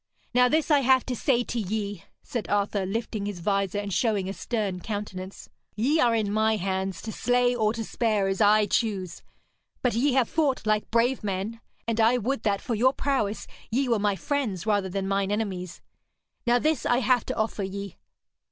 'Now this I have to say to ye,' said Arthur, lifting his vizor and showing a stern countenance. 'Ye are in my hands, to slay or spare as I choose. But ye have fought like brave men, and I would that, for your prowess, ye were my friends rather than mine enemies. Now this I have to offer ye.